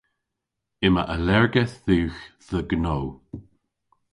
Yma allergedh dhywgh dhe gnow.